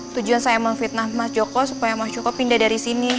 tujuan saya memfitnah mas joko supaya mas joko pindah dari sini